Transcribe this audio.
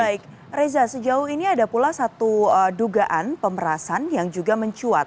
baik reza sejauh ini ada pula satu dugaan pemerasan yang juga mencuat